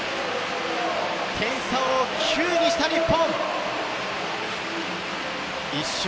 点差を９位にした日本。